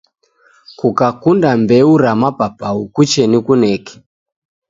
Kukakunda mbeu ra mapapau kuche nikuneke